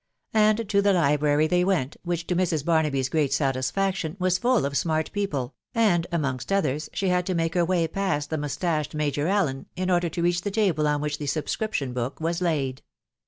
And to the library they went, which *o Mrs. BaxaabyV great satisfaction was full of smart people, and, amongst others,, she had to make her way past the mouatached Major Allen, ia» order to reach the table on which the suhacription book was* laid.